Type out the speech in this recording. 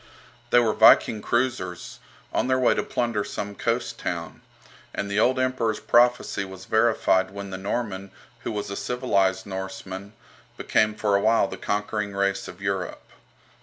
They were Viking cruisers, on their way to plunder some coast town; and the old Emperor's prophecy was verified when the Norman, who was a civilized Norseman, became for a while the conquering race of Europe.